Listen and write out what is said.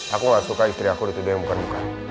aku gak suka istri aku dituduh yang bukan bukan